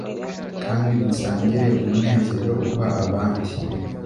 Kandi musangire umunezero uha abandi